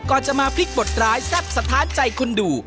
จะมาพลิกบทร้ายแซ่บสะท้านใจคนดู